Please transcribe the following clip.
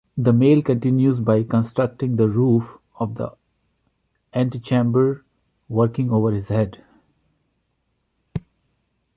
The male continues by constructing the roof of the antechamber, working over his head.